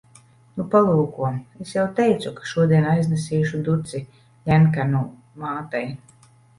Nu, palūko. Es jau teicu, ka šodien aiznesīšu duci Ļenkanu mātei.